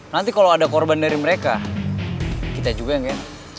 nanti kalau ada korban dari mereka kita juga yang ya